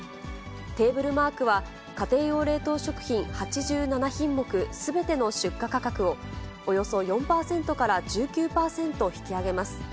テーブルマークは、家庭用冷凍食品８７品目すべての出荷価格を、およそ４％から１９％引き上げます。